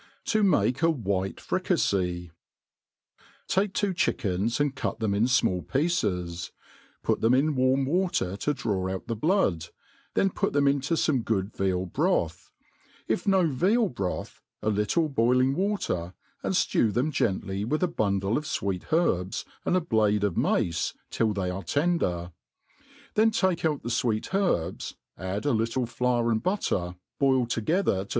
To make a White FrUafj* TAKE two chickens, and cut them in fmall pieces ; put them in warm water to draw out the blood, then put them into fome good veal broth ; if no veal broth, a little boiling water, and ftew them gently with a bundle of fweet herbs^ and a blade of mace, till they are tender ; then take out th$ fweet herbs, add a little flour and butter, boiled together, to thicken MADE PLAIN AND EASY.